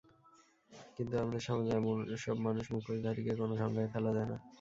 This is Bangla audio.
কিন্তু আমাদের সমাজে এসব মানুষ মুখোশধারীকে কোনো সংজ্ঞায় ফেলা যায় না।